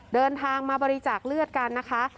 เดินทางมาบริจาคเลือดกันนะคะ